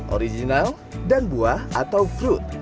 original dan buah atau fruit